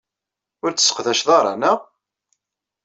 Ur tt-tesseqdaced ara, naɣ?